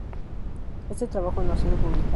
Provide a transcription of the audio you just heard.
Este trabajo no ha sido publicado.